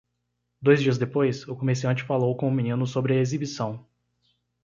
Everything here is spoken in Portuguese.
Dois dias depois, o comerciante falou com o menino sobre a exibição.